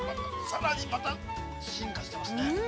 さらにまた、進化してますね。